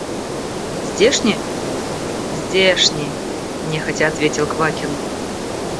Здешний? – Здешний, – нехотя ответил Квакин.